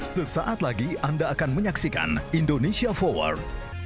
sesaat lagi anda akan menyaksikan indonesia forward